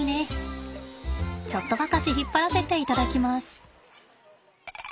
ちょっとばかし引っ張らせていただきます。